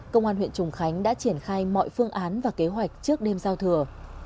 công an huyện trùng khánh đã triển khai mọi phương án và kế hoạch trước đêm giao thừa